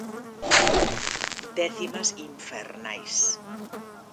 Décimas infernais.